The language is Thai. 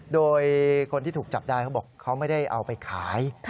โดยคนที่ถูกจับได้เขาบอกเขาไม่ได้เอาไปขาย